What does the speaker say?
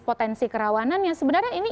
potensi kerawanannya sebenarnya ini